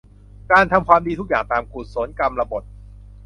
การทำความดีทุกอย่างตามกุศลกรรมบถ